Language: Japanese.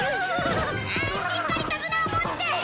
しっかり手綱を持って！